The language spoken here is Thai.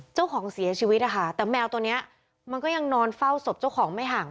เสียชีวิตนะคะแต่แมวตัวเนี้ยมันก็ยังนอนเฝ้าศพเจ้าของไม่ห่าง